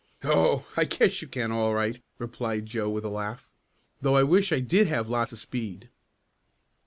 "Oh, I guess you can all right," replied Joe with a laugh, "though I wish I did have lots of speed."